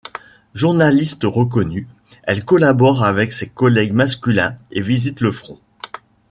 Journaliste reconnue, elle collabore avec ses collègues masculins, et visite le front.